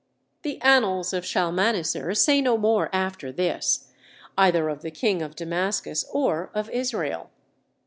The annals of Shalmaneser say no more after this, either of the king of Damascus or of Israel.